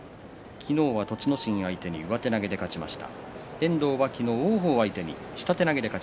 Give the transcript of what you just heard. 昨日は栃ノ心相手に上手投げで勝ちました。